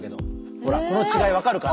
ほらこの違いわかるかな？